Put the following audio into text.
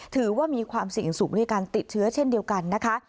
ถือว่ามีความเสี่ยงสูงด้วยการติดเชื้อเช่นเดียวกันนะคะ